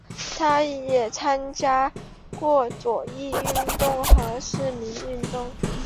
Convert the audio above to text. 他也参加过左翼运动和市民运动。